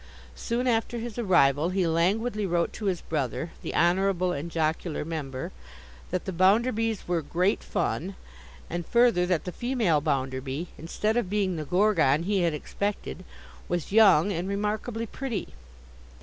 Soon after his arrival he languidly wrote to his brother, the honourable and jocular member, that the Bounderbys were 'great fun;' and further, that the female Bounderby, instead of being the Gorgon he had expected, was young, and remarkably pretty.